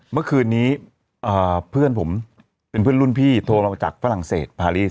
เมื่อคืนนี้เพื่อนผมเป็นเพื่อนรุ่นพี่โทรมาจากฝรั่งเศสพารีส